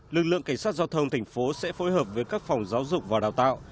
lực lượng cảnh sát giao thông thành phố sẽ phối hợp với các phòng giáo dục và đào tạo